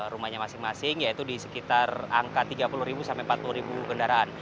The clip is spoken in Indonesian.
rumahnya masing masing yaitu di sekitar angka tiga puluh sampai empat puluh kendaraan